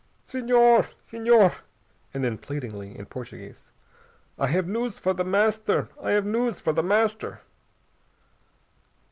"Senhor! Senhor!" And then pleadingly, in Portuguese, "I have news for The Master! I have news for The Master!"